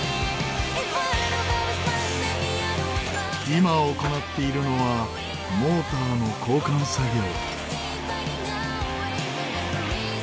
今行っているのはモーターの交換作業。